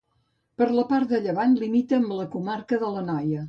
Per la part de llevant, limita amb la comarca de l'Anoia.